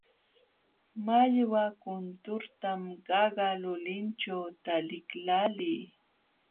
Mallwa kunturtam qaqa lulinćhu taliqlaalii.